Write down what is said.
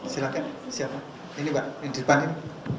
silahkan siapa ini pak yang di depan ini